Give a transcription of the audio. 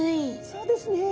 そうですね。